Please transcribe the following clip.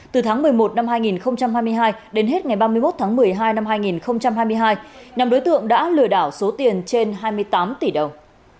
từ tháng một mươi một năm hai nghìn hai mươi hai đến hết ngày ba mươi một tháng một mươi hai năm hai nghìn hai mươi hai nhóm đối tượng đã lừa đảo số tiền trên hai mươi tám tỷ đồng